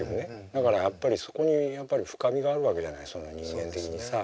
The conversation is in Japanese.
だからやっぱりそこにやっぱり深みがあるわけじゃないその人間的にさ。